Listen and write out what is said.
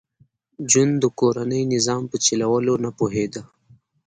جون د کورني نظام په چلولو نه پوهېده